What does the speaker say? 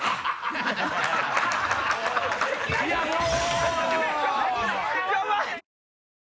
いやもう！